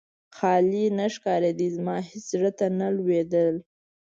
خالي نه ښکارېده، زما هېڅ زړه ته نه لوېده.